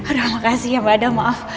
udah makasih ya mbak del maaf